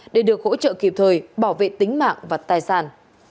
để được hỗ trợ kịp thời bảo vệ tính mạng và tài sản